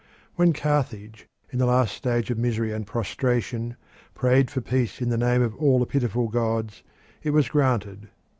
When Carthage, in the last stage of misery and prostration, prayed for peace in the name of all the pitiful gods, it was granted.